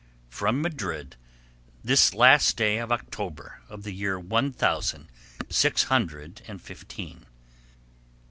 From Madrid, this last day of October of the year one thousand six hundred and fifteen.